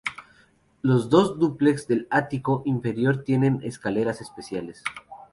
Los dos dúplex del ático inferior tienen escaleras especiales.